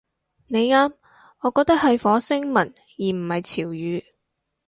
你啱，我覺得係火星文而唔係潮語